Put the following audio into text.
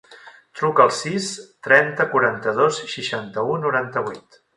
Truca al sis, trenta, quaranta-dos, seixanta-u, noranta-vuit.